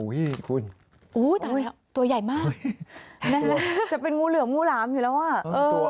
อุ๊ยคุณตัวใหญ่มากนะฮะจะเป็นงูเหลืองงูหลามอยู่แล้ว